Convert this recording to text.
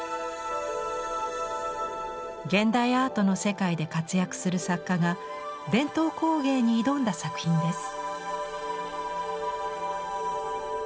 現代アートの世界で活躍する作家が伝統工芸に挑んだ作品です。